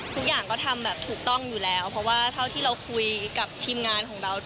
ทุกอย่างก็ทำแบบถูกต้องอยู่แล้วเพราะว่าเท่าที่เราคุยกับทีมงานของเรา